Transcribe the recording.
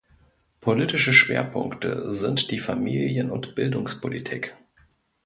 Politische Schwerpunkte sind die Familien- und Bildungspolitik.